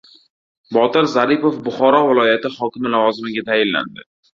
Botir Zaripov Buxoro viloyati hokimi lavozimiga tayinlandi